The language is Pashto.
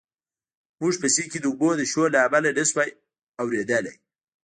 موږ په سیند کې د اوبو د شور له امله نه شوای اورېدلی.